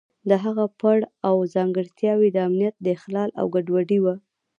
د هغه پړاو ځانګړتیاوې د امنیت اخلال او ګډوډي وه.